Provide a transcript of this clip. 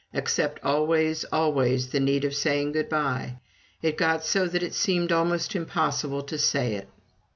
Except always, always the need of saying good bye: it got so that it seemed almost impossible to say it.